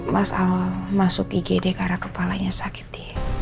mas al masuk igd karena kepalanya sakit d